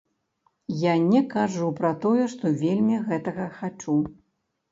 Я не кажу пра тое, што вельмі гэтага хачу.